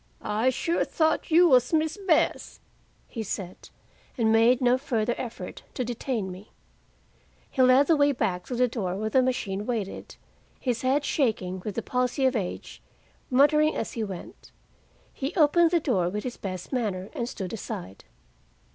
"I sure thought you was Miss Bess," he said, and made no further effort to detain me. He led the way back to the door where the machine waited, his head shaking with the palsy of age, muttering as he went. He opened the door with his best manner, and stood aside.